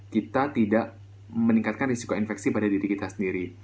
kita tidak meningkatkan risiko infeksi pada diri kita sendiri